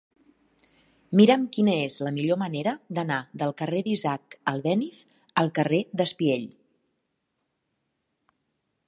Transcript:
Mira'm quina és la millor manera d'anar del carrer d'Isaac Albéniz al carrer d'Espiell.